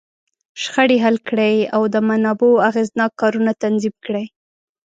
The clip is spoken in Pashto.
شخړې حل کړي، او د منابعو اغېزناک کارونه تنظیم کړي.